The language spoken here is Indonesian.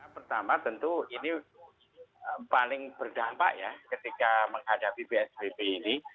pertama tentu ini paling berdampak ya ketika menghadapi psbb ini